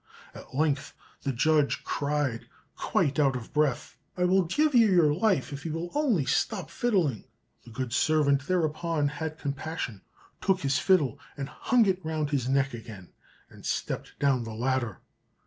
At length the judge cried, quite out of breath, "I will give you your life if you will only stop fiddling." The good servant thereupon had compassion, took his fiddle and hung it round his neck again, and stepped down the ladder.